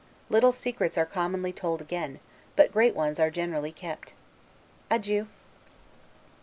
Little secrets are commonly told again, but great ones are generally kept. Adieu!